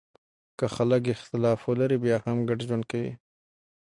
که خلګ اختلاف ولري بیا هم ګډ ژوند کوي.